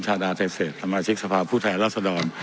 ชาดาไทยเศสธรรมชิกสภาผู้ไทยรัฐสดร